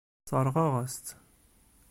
Sseṛɣeɣ-as-tt.